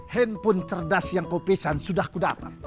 handphone cerdas yang kau pisahin sudah aku dapat